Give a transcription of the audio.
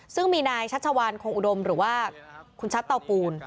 ซึ่งมีนายชัชวานคงอุดมหรือว่าคุณชัดเตาปูน